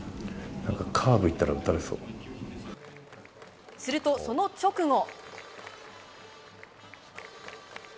なんかカーブいったら打たれするとその直後。